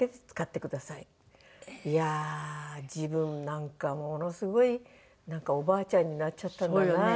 いやあ自分なんかものすごいなんかおばあちゃんになっちゃったんだなって。